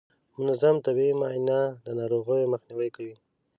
منظم طبي معاینه د ناروغیو مخنیوی کوي.